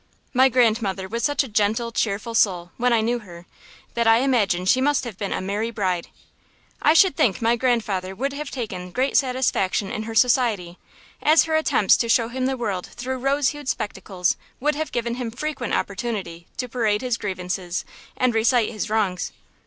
My grandmother was such a gentle, cheerful soul, when I knew her, that I imagine she must have been a merry bride. I should think my grandfather would have taken great satisfaction in her society, as her attempts to show him the world through rose hued spectacles would have given him frequent opportunity to parade his grievances and recite his wrongs.